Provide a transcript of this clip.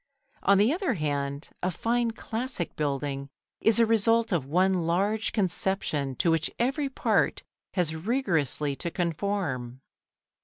On the other hand, a fine classic building is the result of one large conception to which every part has rigorously to conform.